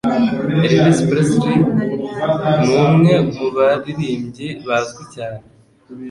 Elvis Presley numwe mubaririmbyi bazwi cyane.